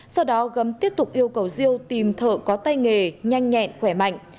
sau đó gấm tiếp tục yêu cầu diêu tìm thợ có tay nghề nhanh nhẹn khỏe mạnh